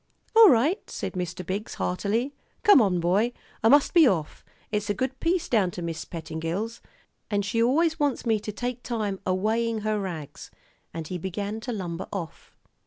"All right," said Mr. Biggs, heartily. "Come on, boy; I must be off. It's a good piece down to Mis' Pettingill's. And she always wants me to take time a weighin' her rags." And he began to lumber off.